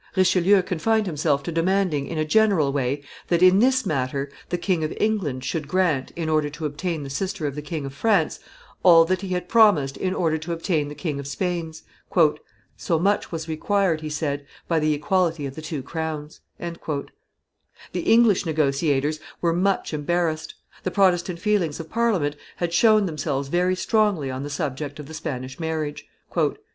Richelieu confined himself to demanding, in a general way, that, in this matter, the King of England should grant, in order to obtain the sister of the King of France, all that he had promised in order to obtain the King of Spain's. "So much was required," he said, "by the equality of the two crowns." The English negotiators were much embarrassed; the Protestant feelings of Parliament had shown themselves very strongly on the subject of the Spanish marriage.